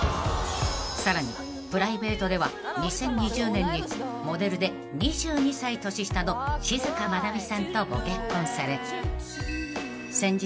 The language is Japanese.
［さらにプライベートでは２０２０年にモデルで２２歳年下の静まなみさんとご結婚され］